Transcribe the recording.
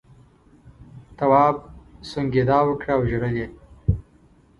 تواب سونگېدا وکړه او ژړل یې.